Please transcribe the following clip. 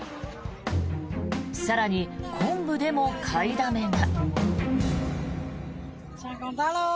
更に、昆布でも買いだめが。